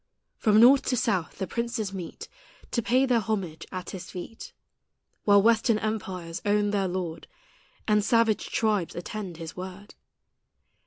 From north to south the princes meet To pay their homage at His feet, While western empires own their Lord, And savage tribes attend His word.